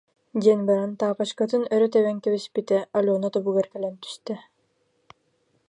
диэн баран таапачкатын өрө тэбэн кэбиспитэ Алена тобугар кэлэн түстэ